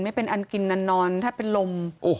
ไม่เป็นอันกินอันนอนแทบเป็นลม